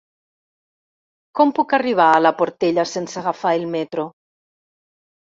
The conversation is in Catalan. Com puc arribar a la Portella sense agafar el metro?